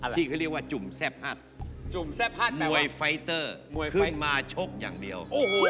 ที่เขาเรียกว่าจุ่มแซ่บหัดหมวยไฟเตอร์ขึ้นมาชกอย่างเดียว